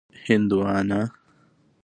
🍉 هندوانه